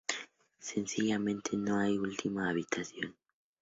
Sencillamente no hay última habitación.